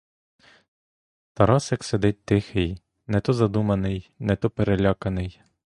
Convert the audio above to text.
Тарасик сидить тихий, не то задуманий, не то переляканий.